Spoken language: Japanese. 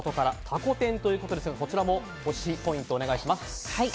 タコ天ということですがこちらも推しポイントをお願いします。